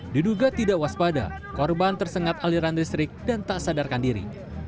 diduga tidak waspada korban tersengat aliran listrik dan tak sadarkan diri